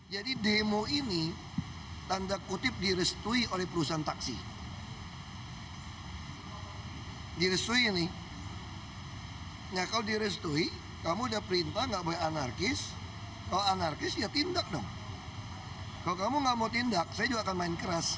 jadi demo ini tanda kutip direstui oleh perusahaan taksi